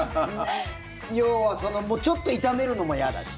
要はちょっと炒めるのも嫌だし。